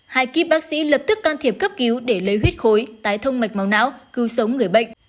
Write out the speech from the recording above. hai kiếp bác sĩ lập tức can thiệp cấp cứu để lấy huyết khối tái thông mạch máu não cứu sống người bệnh